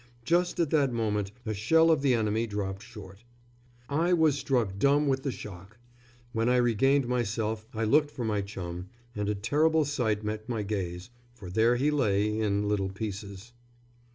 Just at that moment a shell of the enemy dropped short. I was struck dumb with the shock. When I regained myself I looked for my chum, and a terrible sight met my gaze, for there he lay in little pieces.